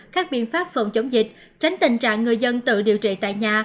các biện pháp phòng chống dịch tránh tình trạng người dân tự điều trị tại nhà